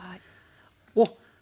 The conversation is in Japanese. おっ！